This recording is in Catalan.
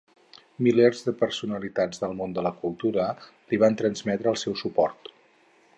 Milers de personalitats del món de la cultura li van transmetre el seu suport.